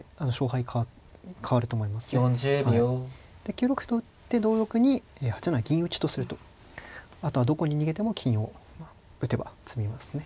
９六歩と打って同玉に８七銀打とするとあとはどこに逃げても金を打てば詰みますね。